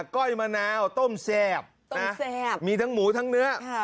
ก้อยมะนาวต้มแซ่บต้มแซ่บมีทั้งหมูทั้งเนื้อ